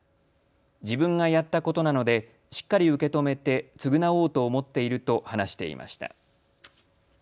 自分がやったことなのでしっかり受け止めて償おうと思っていると話していました。